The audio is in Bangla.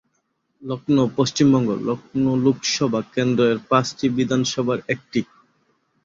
লখনউ পশ্চিম, লখনউ লোকসভা কেন্দ্র-এর পাঁচটি বিধানসভার একটি।